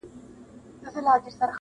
• او پر مځکه دي وجود زیر و زبر سي -